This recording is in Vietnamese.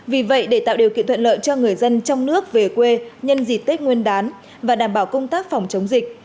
vì vậy để tạo điều kiện thuận lợi cho người dân trong nước về quê nhân dịp tết nguyên đán và đảm bảo công tác phòng chống dịch